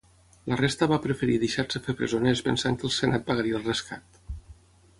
La resta va preferir deixar-se fer presoners pensant que el senat pagaria el rescat.